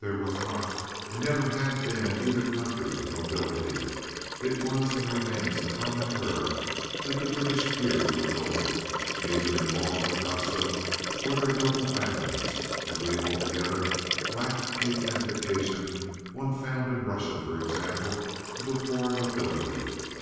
There was not and never had been in either country a nobility—it was and remains a common error that the British peers were noble—neither in law nor custom were there noble families, and we altogether lacked the edification one found in Russia, for example, of a poor nobility.